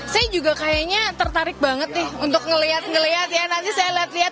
saya juga kayaknya tertarik banget nih untuk ngeliat ngeliat ya nanti saya lihat lihat